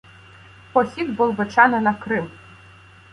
Похід Болбочана на Крим.